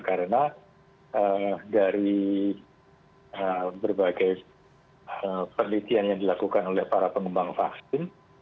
karena dari berbagai penelitian yang dilakukan oleh para pengembang vaksin